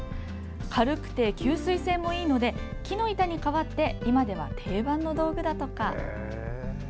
軽くて吸水性もいいので木の板に代わって今では定番の道具だとか。